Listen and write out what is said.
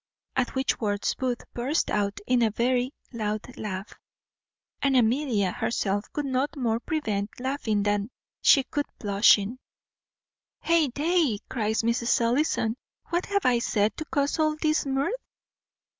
At which words Booth burst out into a very loud laugh; and Amelia herself could no more prevent laughing than she could blushing. "Heyday!" cries Mrs. Ellison; "what have I said to cause all this mirth?"